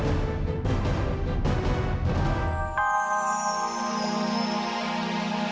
iya tapi kamu ngapain sih kok berantem lagi